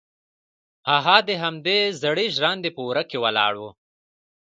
هغه د همدې زړې ژرندې په وره کې ولاړه وه.